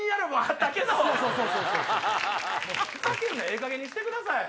ええかげんにしてください。